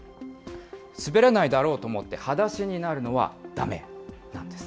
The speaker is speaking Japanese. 滑らないだろうと思ってはだしになるのはだめなんです。